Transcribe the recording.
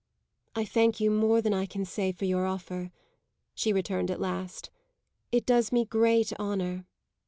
"I thank you more than I can say for your offer," she returned at last. "It does me great honour."